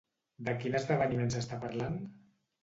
De quin esdeveniment s'està parlant?